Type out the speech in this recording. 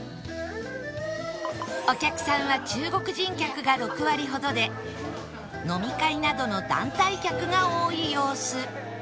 お客さんは中国人客が６割ほどで飲み会などの団体客が多い様子